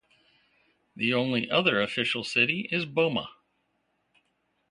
The only other official city is Boma.